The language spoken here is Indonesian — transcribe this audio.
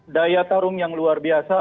daya tarung yang luar biasa